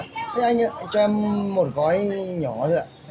dạ thế anh ạ anh cho em một gói nhỏ thôi ạ